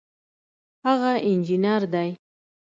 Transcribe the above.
هغه انجینر دی